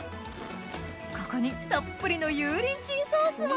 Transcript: ここにたっぷりの油淋鶏ソースを！